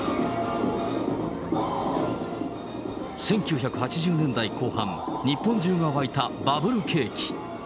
１９８０年代後半、日本中が沸いたバブル景気。